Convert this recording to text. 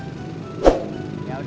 tuh lagi puasa